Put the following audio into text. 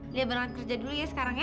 ibu mau berangkat kerja dulu ya sekarang ya